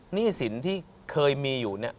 หนี้สินที่เคยมีอยู่เนี่ย